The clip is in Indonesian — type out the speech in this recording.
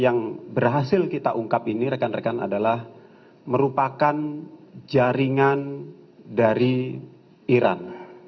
yang berhasil kita ungkap ini rekan rekan adalah merupakan jaringan dari iran